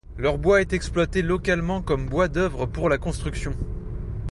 Leur bois est exploité localement comme bois d'œuvre pour la construction.